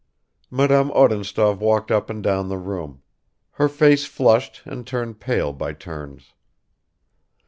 Madame Odintsov walked up and down the room. Her face flushed and turned pale by turns.